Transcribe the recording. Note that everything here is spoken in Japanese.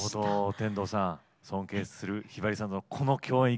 天童さん尊敬するひばりさんのこの共演いかがですか？